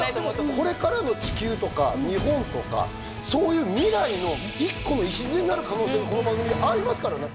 これからの地球とか日本とかそういう未来の１個の礎になる可能性がこの番組にありますからね。